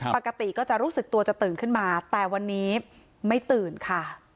ปกติก็จะรู้สึกตัวจะตื่นขึ้นมาแต่วันนี้ไม่ตื่นค่ะ